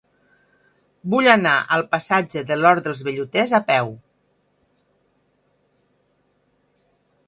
Vull anar al passatge de l'Hort dels Velluters a peu.